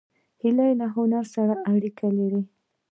هیلۍ له هنر سره اړیکه لري